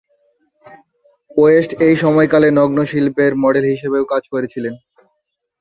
West এই সময়কালে নগ্ন শিল্পের মডেল হিসাবেও কাজ করেছিলেন।